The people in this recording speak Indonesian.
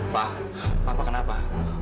pak apa kenapa